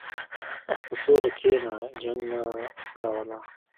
په سوله کښېنه، جنګ نه راوله.